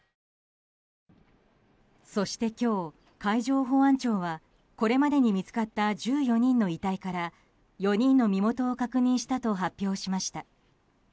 そして今日、海上保安庁はこれまでに見つかった１４人の遺体から４人の身元を確認したと発表しました。